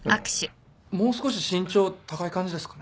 もう少し身長高い感じですかね？